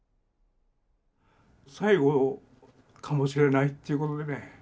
最後かもしれないっていうことでね。